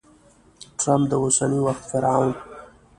ټرمپ د اوسني وخت فرعون!